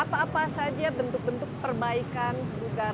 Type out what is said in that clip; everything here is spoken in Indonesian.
apa apa saja bentuk bentuk perbaikan perbukaran yang selama ini dianggap